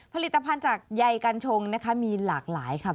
ผลิตภัณฑ์จากใยกัญชงนะคะมีหลากหลายค่ะ